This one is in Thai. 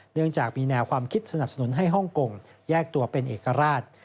เนื่องจากมีแนวความคิดสนับสนุนให้ฮ่องกงแยกตัวเป็นเอกราช